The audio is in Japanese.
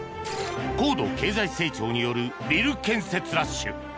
高度経済成長によるビル建設ラッシュ。